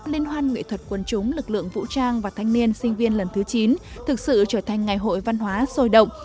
liên hoan nghệ thuật quân chúng lực lượng vũ trang và thanh niên sinh viên lần thứ chín thực sự trở thành ngày hội văn hóa sôi động